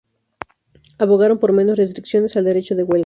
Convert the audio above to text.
Abogaron por menos restricciones al derecho de huelga.